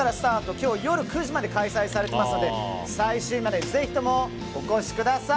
今日夜９時まで開催されていますので最終日、ぜひともお越しください！